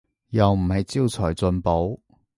又唔係招財進寶